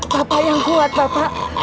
bapak yang kuat bapak